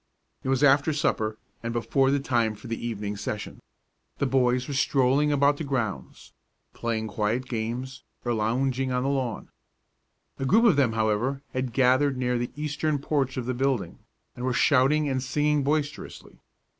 It was after supper and before the time for the evening session. The boys were strolling about the grounds, playing quiet games, or lounging on the lawn. A group of them, however, had gathered near the eastern porch of the building, and were shouting and singing boisterously.